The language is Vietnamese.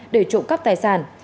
để trộm cắp tài sản